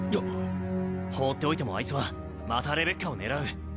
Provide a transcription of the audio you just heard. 放っておいてもあいつはまたレベッカを狙う。